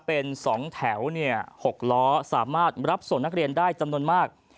เป็น๒แถว๖ล้อสามารถรับส่งนักเรียนได้จำนวนมาก